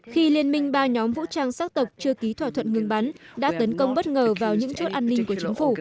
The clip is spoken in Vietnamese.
khi liên minh ba nhóm vũ trang sắc tộc chưa ký thỏa thuận ngừng bắn đã tấn công bất ngờ vào những chốt an ninh của chính phủ